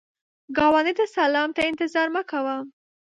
ګاونډي ته سلام ته انتظار مه کوه